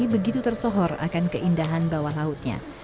begitu tersohor akan keindahan bawah lautnya